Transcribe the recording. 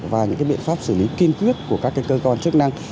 và những biện pháp xử lý kiên quyết của các cơ quan chức năng